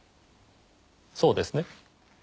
そうですね？